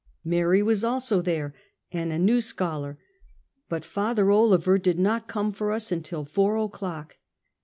Mary was also there, and a new scholar, but Father Olever did not come for us until four o'clock.